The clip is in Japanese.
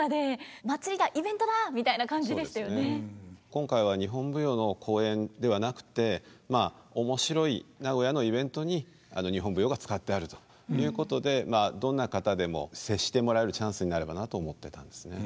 今回は日本舞踊の公演ではなくてまあ面白い名古屋のイベントに日本舞踊が使ってあるということでどんな方でも接してもらえるチャンスになればなと思ってたんですね。